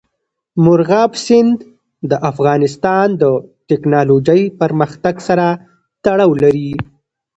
مورغاب سیند د افغانستان د تکنالوژۍ پرمختګ سره تړاو لري.